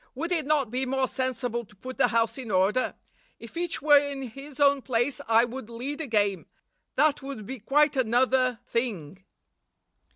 Would it not be more sensible to put the house in order? If each were in his own place, I would lead a game. That would be quite another thing.